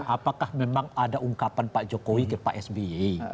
apakah memang ada ungkapan pak jokowi ke pak sby